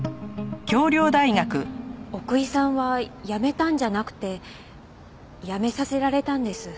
奥居さんは辞めたんじゃなくて辞めさせられたんです。